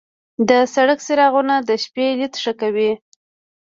د سړک څراغونه د شپې لید ښه کوي.